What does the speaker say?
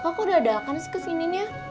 kakak kok udah ada akan sih kesininya